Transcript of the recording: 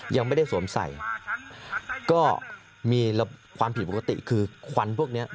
ยังไม่ได้สวมใส่ก็มีความผิดปกติคือควันพวกนี้